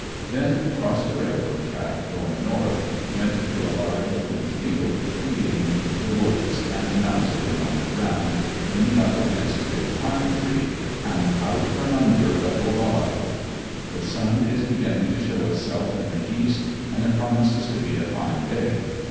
Then crossed the railroad track going north, wont through a large open field and gained the woods, and am now sitting on the ground leaning up against a big pine tree and out from under rebel guard! The sun is beginning to show itself in the east and it promises to be a fine day.